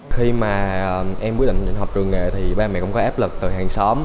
khi mà em quyết định học trường nghề thì ba mẹ cũng có áp lực từ hàng xóm